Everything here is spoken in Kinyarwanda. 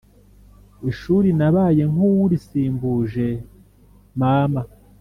ishuri nabaye nk uwurisimbuje mama